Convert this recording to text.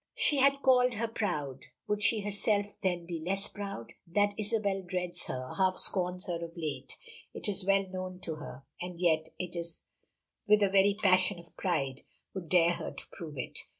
She had called her proud. Would she herself, then, be less proud? That Isabel dreads her, half scorns her of late, is well known to her, and yet, with a very passion of pride, would dare her to prove it.